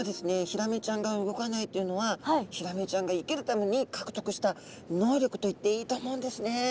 ヒラメちゃんが動かないというのはヒラメちゃんが生きるためにかくとくした能力といっていいと思うんですね。